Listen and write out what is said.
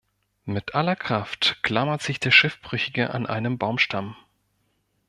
Mit aller Kraft klammert sich der Schiffbrüchige an einen Baumstamm.